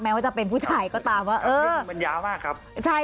แม้ว่าจะเป็นผู้ชายก็ตามว่ามันย้ามากครับ